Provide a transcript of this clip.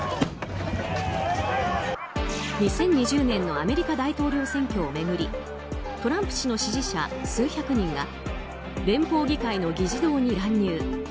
２０２０年のアメリカ大統領選挙を巡りトランプ氏の支持者数百人が連邦議会の議事堂に乱入。